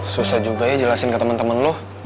susah juga ya jelasin ke temen temen lo